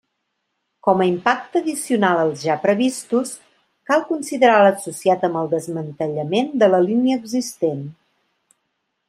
Com a impacte addicional als ja previstos, cal considerar l'associat amb el desmantellament de la línia existent.